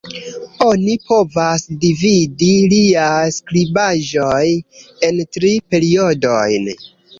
Oni povas dividi liaj skribaĵoj en tri periodojn.